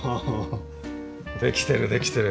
できてるできてる！